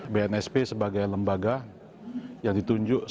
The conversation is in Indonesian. bnsp sebagai lembaga yang ditunjuk